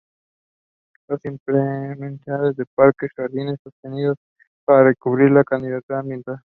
La implementación de parques y jardines sostenidos, para reducir la contaminación ambiental.